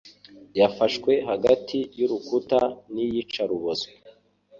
yafashwe hagati y'urukuta n'iyicarubozo